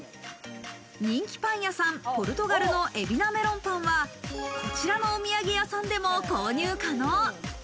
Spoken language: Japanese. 人気パン屋さん・ぽるとがるの海老名メロンパンは、こちらのお土産屋さんでも購入可能。